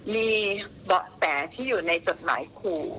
มีเบาะแสที่อยู่ในจดหมายขู่